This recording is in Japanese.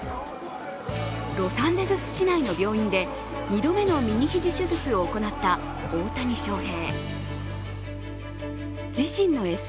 ロサンゼルス市内の病院で２度目の右肘手術を行った大谷翔平。